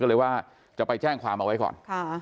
ก็เลยว่าจะไปแจ้งความเอาไว้ก่อน